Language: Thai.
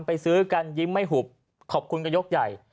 ไปซื้อกันยิ้มไม่หุบขอบคุณกันยกใหญ่